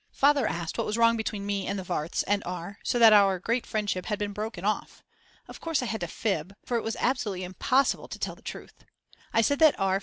Father asked what was wrong between me and the Warths and R., so that our great friendship had been broken off. Of course I had to fib, for it was absolutely impossible to tell the truth. I said that R.